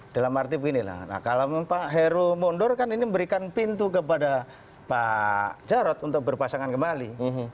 dalam arti beginilah kalau pak heru mundur kan ini memberikan pintu kepada pak jarod untuk berpasangan kembali